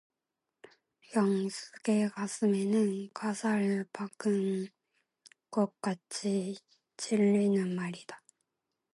영숙의 가슴에는 가시를 박는 것 같이 찔리는 말이다.